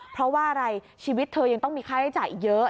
เพราะว่าอะไรชีวิตเธอยังต้องมีค่าใช้จ่ายอีกเยอะ